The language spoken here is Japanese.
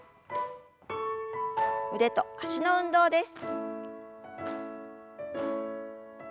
腕と脚の運動です。